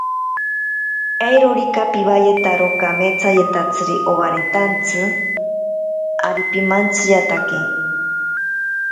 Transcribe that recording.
Eirorika piwayetaro kametsayetatsiri obaretantsi, ari pimantsiyatake.